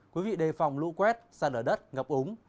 quý vị đề phòng lũ quét sạt ở đất ngập úng